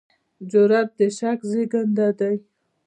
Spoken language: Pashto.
جرئت د شک زېږنده دی.